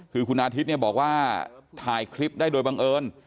คือคุณอาทิตย์เนี่ยบอกว่าถ่ายคลิปได้โดยบังเอิญ